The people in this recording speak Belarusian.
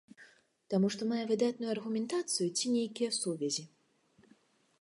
Таму што мае выдатную аргументацыю ці нейкія сувязі?